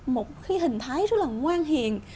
một cái hình thái rất là ngoan hiền